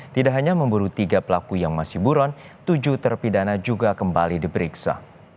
tidak hanya memburu tiga pelaku yang masih buron tujuh terpidana juga kembali diperiksa